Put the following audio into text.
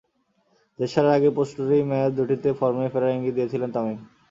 দেশ ছাড়ার আগে প্রস্তুতি ম্যাচ দুটিতে ফর্মে ফেরার ইঙ্গিত দিয়েছিলেন তামিম।